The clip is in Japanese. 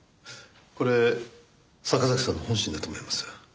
これ坂崎さんの本心だと思います。